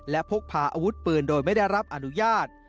และพกพาอาวุธปืนโดยไม่ได้รับอนุญาต